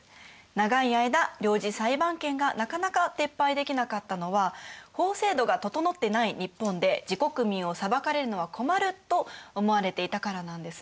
長い間領事裁判権がなかなか撤廃できなかったのは法制度が整ってない日本で自国民を裁かれるのは困ると思われていたからなんですね。